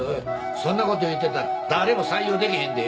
そんなこと言ってたら誰も採用できへんで。